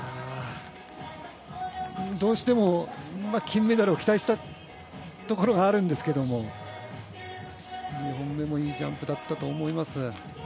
どうしても金メダルを期待したところがあるんですが２本目もいいジャンプだったと思います。